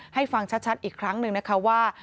ให้ฟังชัดอีกครั้งหนึ่งนะคะว่า